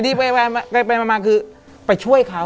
นี่ไปมาคือไปช่วยเขา